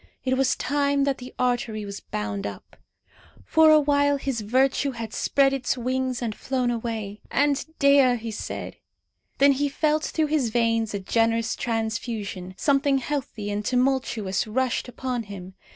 It was time that the artery was bound up. For a while his virtue had spread its wings and flown away. "And Dea!" he said. Then he felt through his veins a generous transfusion. Something healthy and tumultuous rushed upon him.